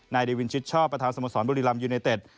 นายดิวินชิดชอบประธานสมสรรค์บริลัมย์ยูเนตเต็ด